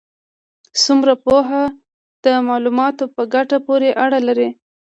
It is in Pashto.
څلورمه پوهه د معلوماتو په ګټه پورې اړه لري.